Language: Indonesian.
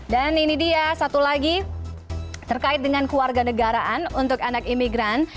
dan ini dia satu lagi terkait dengan keluarga negaraan untuk anak imigran